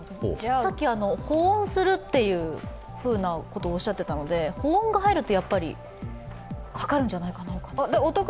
さっき保温するとおっしゃっていたので、保温が入ると、やっぱりかかるんじゃないのかなと。